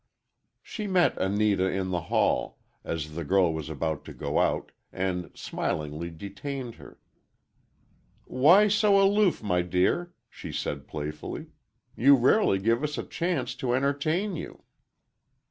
She met Anita in the hall, as the girl was about to go out, and smilingly detained her. "Why so aloof, my dear," she said, playfully. "You rarely give us a chance to entertain you."